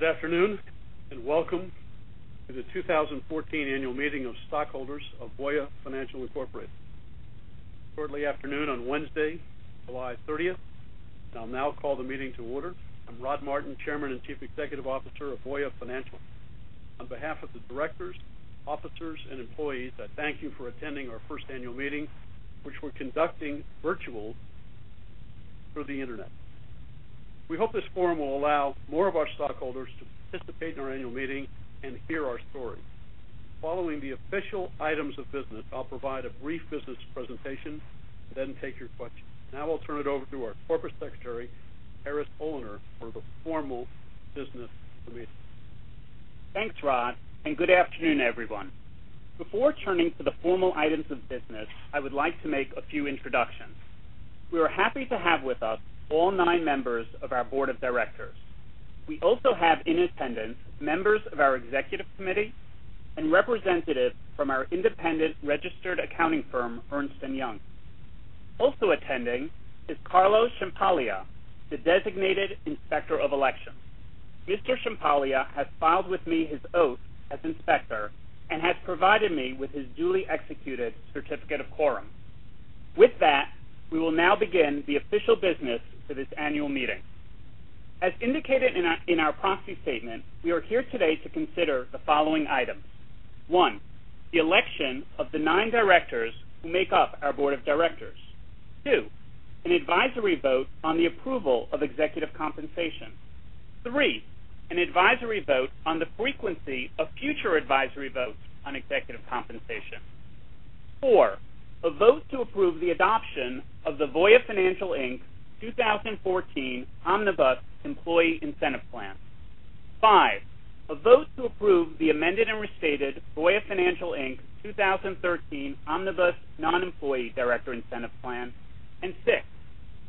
Good afternoon, and welcome to the 2014 Annual Meeting of Stockholders of Voya Financial Incorporated. It's shortly after noon on Wednesday, July 30th, and I'll now call the meeting to order. I'm Rod Martin, Chairman and Chief Executive Officer of Voya Financial. On behalf of the directors, officers, and employees, I thank you for attending our first annual meeting, which we're conducting virtual through the internet. We hope this forum will allow more of our stockholders to participate in our annual meeting and hear our story. Following the official items of business, I'll provide a brief business presentation, then take your questions. Now I'll turn it over to our Corporate Secretary, Harris Oliner, for the formal business of the meeting. Thanks, Rod, and good afternoon, everyone. Before turning to the formal items of business, I would like to make a few introductions. We are happy to have with us all nine members of our board of directors. We also have in attendance members of our executive committee and representatives from our independent registered accounting firm, Ernst & Young. Also attending is Peter Schiavarelli, the designated Inspector of Elections. Mr. Schiavarelli has filed with me his oath as inspector and has provided me with his duly executed certificate of quorum. With that, we will now begin the official business for this annual meeting. As indicated in our proxy statement, we are here today to consider the following items. One, the election of the nine directors who make up our board of directors. Two, an advisory vote on the approval of executive compensation. Three, an advisory vote on the frequency of future advisory votes on executive compensation. Four, a vote to approve the adoption of the Voya Financial, Inc. 2014 Omnibus Employee Incentive Plan. Five, a vote to approve the amended and restated Voya Financial, Inc. 2013 Omnibus Non-Employee Director Incentive Plan. Six,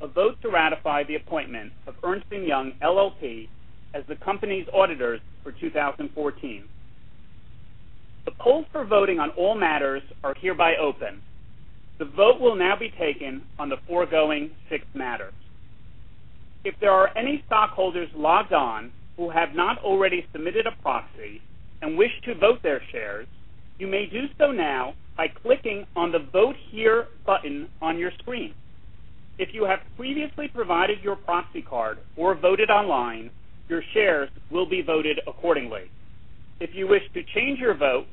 a vote to ratify the appointment of Ernst & Young LLP as the company's auditors for 2014. The polls for voting on all matters are hereby open. The vote will now be taken on the foregoing six matters. If there are any stockholders logged on who have not already submitted a proxy and wish to vote their shares, you may do so now by clicking on the Vote Here button on your screen. If you have previously provided your proxy card or voted online, your shares will be voted accordingly. If you wish to change your vote,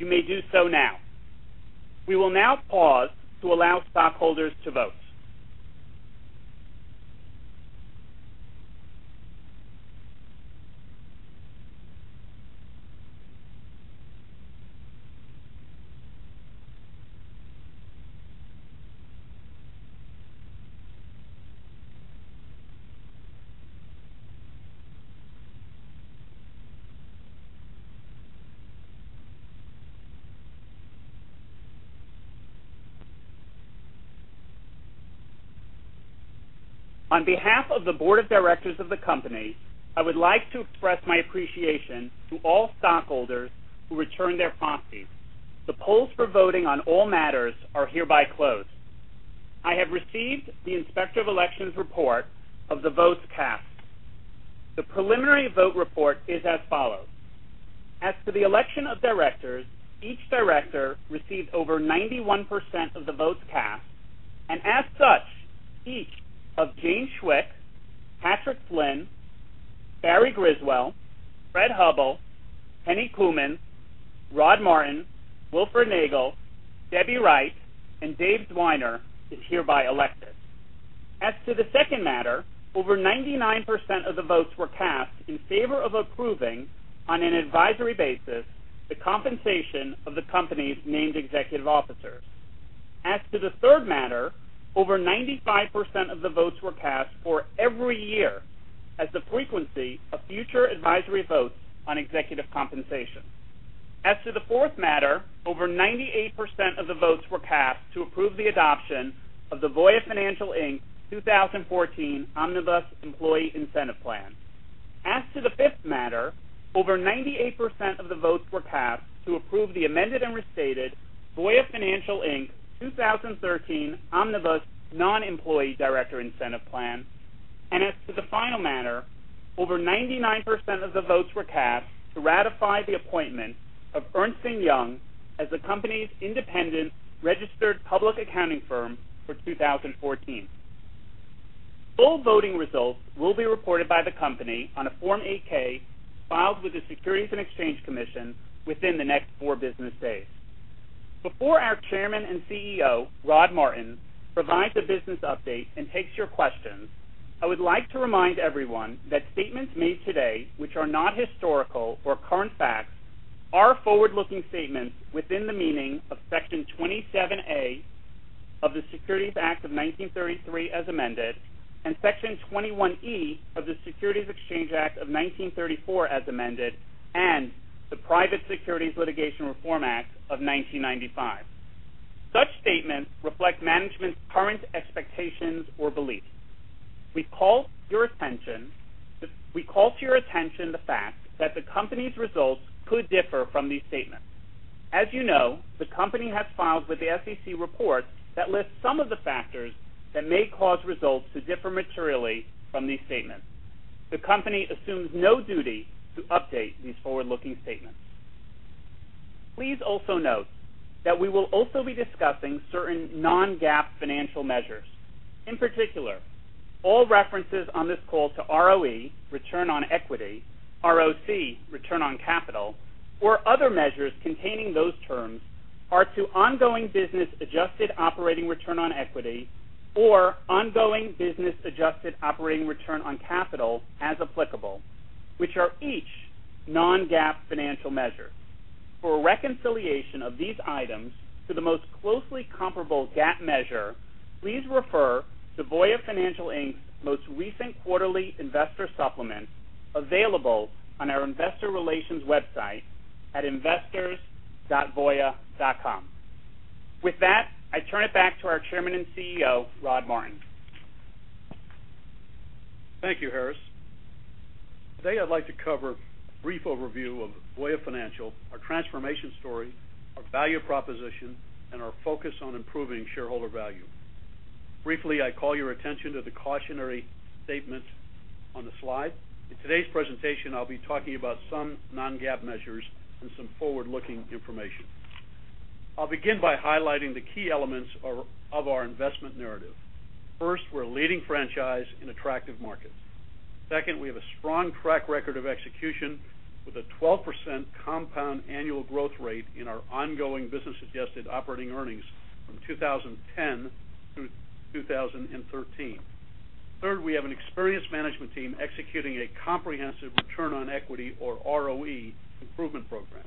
you may do so now. We will now pause to allow stockholders to vote. On behalf of the board of directors of the company, I would like to express my appreciation to all stockholders who returned their proxies. The polls for voting on all matters are hereby closed. I have received the Inspector of Elections report of the votes cast. The preliminary vote report is as follows. As to the election of directors, each director received over 91% of the votes cast, and as such, each of Jane Chwick, Patrick Flynn, Barry Griswell, Fred Hubbell, Henny Koemans, Rod Martin, Willem Nagel, Debbie Wright, and Dave Zwiener is hereby elected. As to the second matter, over 99% of the votes were cast in favor of approving, on an advisory basis, the compensation of the company's named executive officers. As to the third matter, over 95% of the votes were cast for every year as the frequency of future advisory votes on executive compensation. As to the fourth matter, over 98% of the votes were cast to approve the adoption of the Voya Financial, Inc. 2014 Omnibus Employee Incentive Plan. As to the fifth matter, over 98% of the votes were cast to approve the amended and restated Voya Financial, Inc. 2013 Omnibus Non-Employee Director Incentive Plan. As to the final matter, over 99% of the votes were cast to ratify the appointment of Ernst & Young as the company's independent registered public accounting firm for 2014. Full voting results will be reported by the company on a Form 8-K filed with the Securities and Exchange Commission within the next four business days. Before our Chairman and CEO, Rod Martin, provides a business update and takes your questions, I would like to remind everyone that statements made today, which are not historical or current facts, are forward-looking statements within the meaning of Section 27A of the Securities Act of 1933 as amended, and Section 21E of the Securities Exchange Act of 1934 as amended, and the Private Securities Litigation Reform Act of 1995. Such statements reflect management's current expectations or beliefs. We call to your attention the fact that the company's results could differ from these statements. As you know, the company has filed with the SEC report that lists some of the factors that may cause results to differ materially from these statements. The company assumes no duty to update these forward-looking statements. Please also note that we will also be discussing certain non-GAAP financial measures. In particular, all references on this call to ROE, return on equity, ROC, return on capital, or other measures containing those terms are to ongoing business adjusted operating return on equity or ongoing business adjusted operating return on capital as applicable, which are each non-GAAP financial measure. For a reconciliation of these items to the most closely comparable GAAP measure, please refer to Voya Financial, Inc.'s most recent quarterly investor supplement available on our investor relations website at investors.voya.com. With that, I turn it back to our Chairman and CEO, Rod Martin. Thank you, Harris. Today I'd like to cover a brief overview of Voya Financial, our transformation story, our value proposition, and our focus on improving shareholder value. Briefly, I call your attention to the cautionary statements on the slide. In today's presentation, I'll be talking about some non-GAAP measures and some forward-looking information. I'll begin by highlighting the key elements of our investment narrative. First, we're a leading franchise in attractive markets. Second, we have a strong track record of execution with a 12% compound annual growth rate in our ongoing business-adjusted operating earnings from 2010 through 2013. Third, we have an experienced management team executing a comprehensive return on equity or ROE improvement program.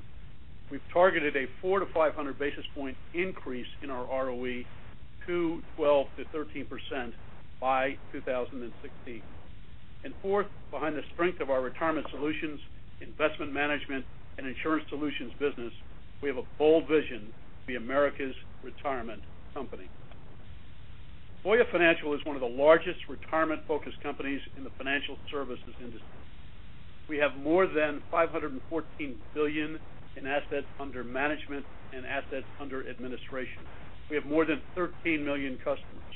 We've targeted a 400-500 basis point increase in our ROE to 12%-13% by 2016. Fourth, behind the strength of our Retirement Solutions, Investment Management, and Insurance Solutions business, we have a bold vision to be America's retirement company. Voya Financial is one of the largest retirement-focused companies in the financial services industry. We have more than $514 billion in assets under management and assets under administration. We have more than 13 million customers,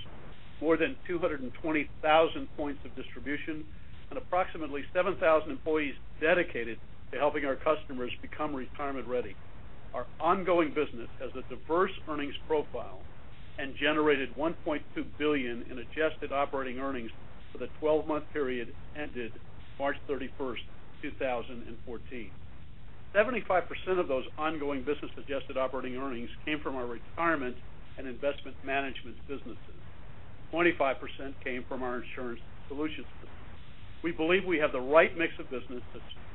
more than 220,000 points of distribution, and approximately 7,000 employees dedicated to helping our customers become retirement ready. Our ongoing business has a diverse earnings profile and generated $1.2 billion in adjusted operating earnings for the 12-month period ended March 31, 2014. 75% of those ongoing business-adjusted operating earnings came from our retirement and Investment Management businesses. 25% came from our Insurance Solutions business. We believe we have the right mix of businesses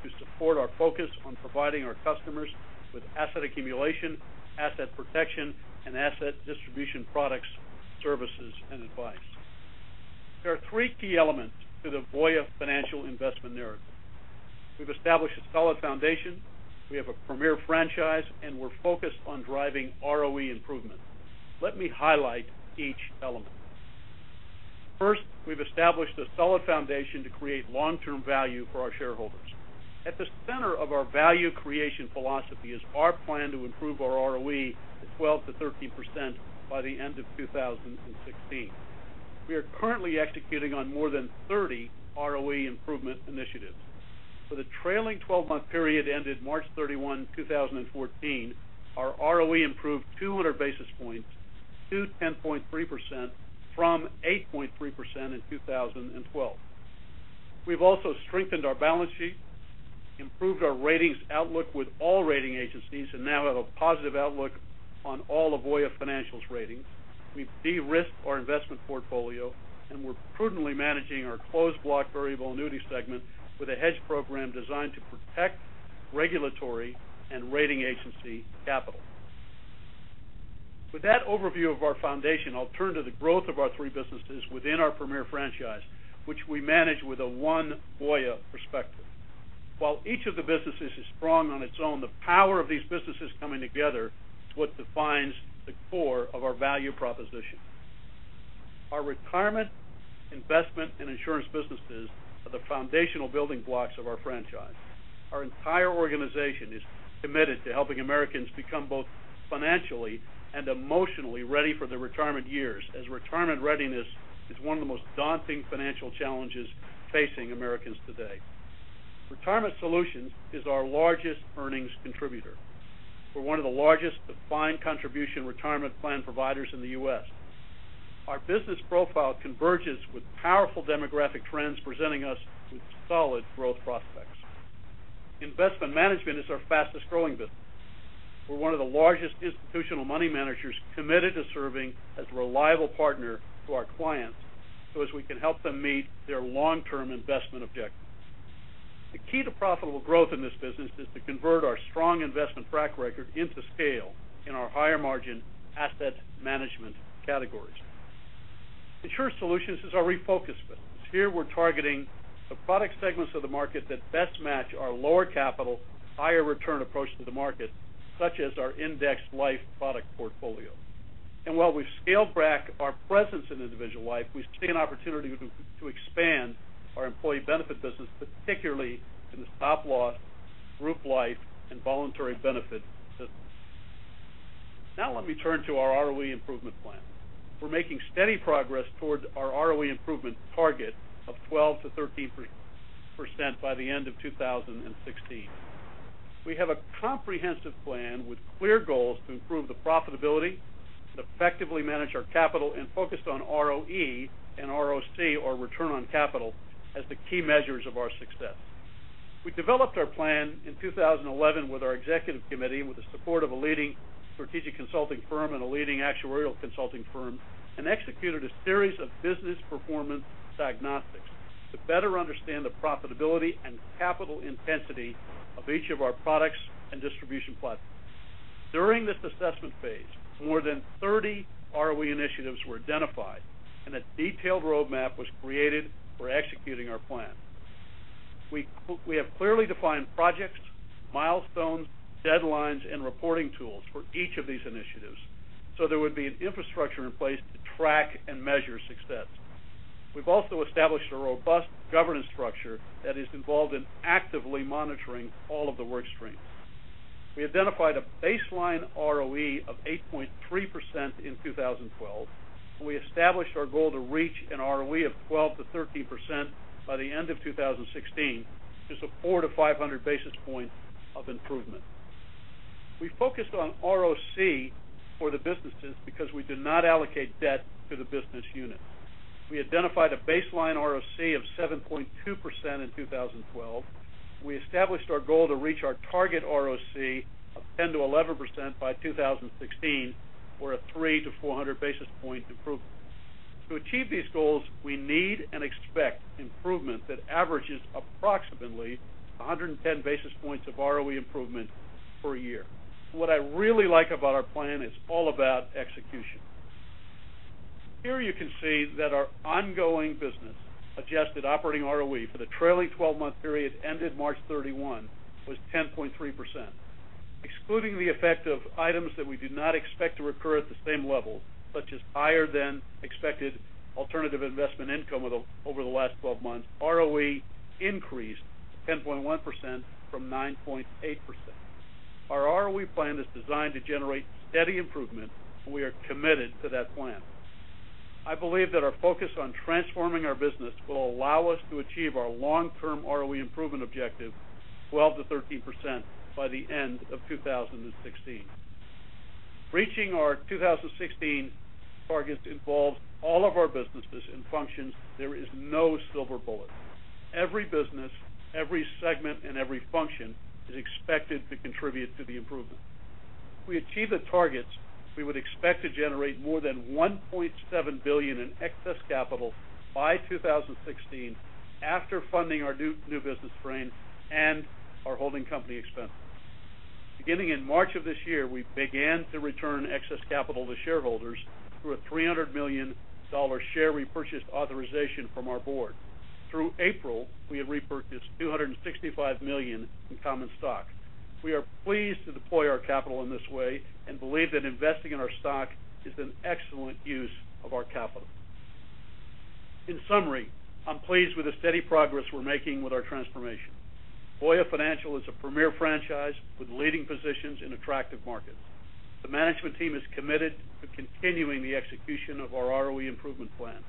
to support our focus on providing our customers with asset accumulation, asset protection, and asset distribution products, services, and advice. There are three key elements to the Voya Financial investment narrative. We've established a solid foundation, we have a premier franchise, and we're focused on driving ROE improvement. Let me highlight each element. First, we've established a solid foundation to create long-term value for our shareholders. At the center of our value creation philosophy is our plan to improve our ROE to 12%-13% by the end of 2016. We are currently executing on more than 30 ROE improvement initiatives. For the trailing 12-month period ended March 31, 2014, our ROE improved 200 basis points to 10.3% from 8.3% in 2012. We've also strengthened our balance sheet, improved our ratings outlook with all rating agencies, and now have a positive outlook on all of Voya Financial's ratings. We've de-risked our investment portfolio, and we're prudently managing our closed block variable annuity segment with a hedge program designed to protect regulatory and rating agency capital. With that overview of our foundation, I'll turn to the growth of our three businesses within our premier franchise, which we manage with a "one Voya" perspective. While each of the businesses is strong on its own, the power of these businesses coming together is what defines the core of our value proposition. Our retirement, investment, and insurance businesses are the foundational building blocks of our franchise. Our entire organization is committed to helping Americans become both financially and emotionally ready for their retirement years, as retirement readiness is one of the most daunting financial challenges facing Americans today. Retirement Solutions is our largest earnings contributor. We're one of the largest Defined Contribution retirement plan providers in the U.S. Our business profile converges with powerful demographic trends presenting us with solid growth prospects. Investment Management is our fastest-growing business. We're one of the largest institutional money managers committed to serving as a reliable partner to our clients so as we can help them meet their long-term investment objectives. The key to profitable growth in this business is to convert our strong investment track record into scale in our higher margin asset management categories. Insurance Solutions is our refocused business. We're targeting the product segments of the market that best match our lower capital, higher return approach to the market, such as our indexed life product portfolio. While we've scaled back our presence in individual life, we see an opportunity to expand our employee benefit business, particularly in the stop-loss, group life, and voluntary benefits business. Let me turn to our ROE improvement plan. We're making steady progress towards our ROE improvement target of 12%-13% by the end of 2016. We have a comprehensive plan with clear goals to improve the profitability and effectively manage our capital and focused on ROE and ROC, or return on capital, as the key measures of our success. We developed our plan in 2011 with our executive committee, with the support of a leading strategic consulting firm and a leading actuarial consulting firm, executed a series of business performance diagnostics to better understand the profitability and capital intensity of each of our products and distribution platforms. During this assessment phase, more than 30 ROE initiatives were identified, a detailed roadmap was created for executing our plan. We have clearly defined projects, milestones, deadlines, and reporting tools for each of these initiatives, there would be an infrastructure in place to track and measure success. We've also established a robust governance structure that is involved in actively monitoring all of the work streams. We identified a baseline ROE of 8.3% in 2012. We established our goal to reach an ROE of 12%-13% by the end of 2016, which is a 400-500 basis points of improvement. We focused on ROC for the businesses because we did not allocate debt to the business unit. We identified a baseline ROC of 7.2% in 2012. We established our goal to reach our target ROC of 10%-11% by 2016 or a 300-400 basis points improvement. To achieve these goals, we need and expect improvement that averages approximately 110 basis points of ROE improvement per year. What I really like about our plan is all about execution. You can see that our ongoing business adjusted operating ROE for the trailing 12 months period ended March 31 was 10.3%. Excluding the effect of items that we do not expect to recur at the same level, such as higher than expected alternative investment income over the last 12 months, ROE increased to 10.1% from 9.8%. Our ROE plan is designed to generate steady improvement. We are committed to that plan. I believe that our focus on transforming our business will allow us to achieve our long-term ROE improvement objective, 12%-13%, by the end of 2016. Reaching our 2016 targets involves all of our businesses and functions. There is no silver bullet. Every business, every segment, and every function is expected to contribute to the improvement. If we achieve the targets, we would expect to generate more than $1.7 billion in excess capital by 2016 after funding our new business strain and our holding company expenses. Beginning in March of this year, we began to return excess capital to shareholders through a $300 million share repurchase authorization from our board. Through April, we have repurchased $265 million in common stock. We are pleased to deploy our capital in this way and believe that investing in our stock is an excellent use of our capital. In summary, I'm pleased with the steady progress we're making with our transformation. Voya Financial is a premier franchise with leading positions in attractive markets. The management team is committed to continuing the execution of our ROE improvement plan.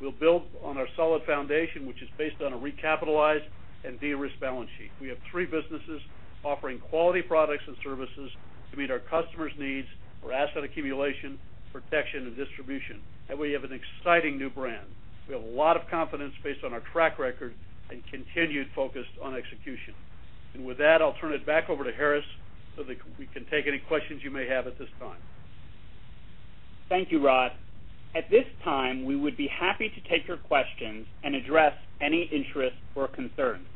We'll build on our solid foundation, which is based on a recapitalized and de-risked balance sheet. We have three businesses offering quality products and services to meet our customers' needs for asset accumulation, protection, and distribution, and we have an exciting new brand. We have a lot of confidence based on our track record and continued focus on execution. With that, I'll turn it back over to Harris so that we can take any questions you may have at this time. Thank you, Rod. At this time, we would be happy to take your questions and address any interest or concern.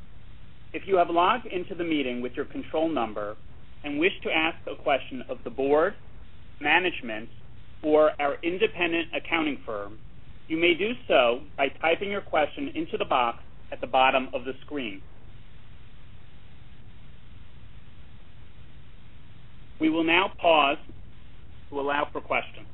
If you have logged into the meeting with your control number and wish to ask a question of the board, management, or our independent accounting firm, you may do so by typing your question into the box at the bottom of the screen. We will now pause to allow for questions.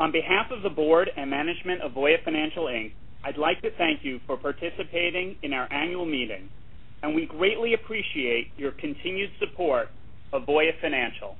On behalf of the board and management of Voya Financial, Inc., I'd like to thank you for participating in our annual meeting, and we greatly appreciate your continued support of Voya Financial.